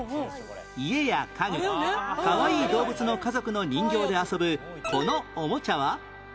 家や家具かわいい動物の家族の人形で遊ぶこのおもちゃは？